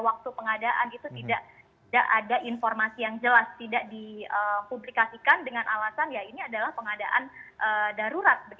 waktu pengadaan itu tidak ada informasi yang jelas tidak dipublikasikan dengan alasan ya ini adalah pengadaan darurat